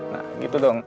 nah gitu dong